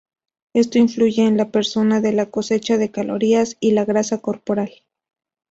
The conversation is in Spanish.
Esto influye en la persona de la cosecha de calorías y la grasa corporal.